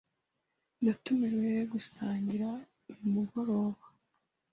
Natumiriwe gusangira uyu mugoroba.